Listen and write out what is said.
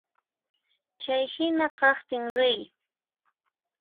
Chay hina kaqtin riy.